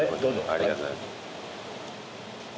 ありがとうございます。